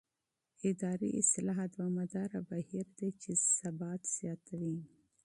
اداري اصلاح دوامداره بهیر دی چې ثبات زیاتوي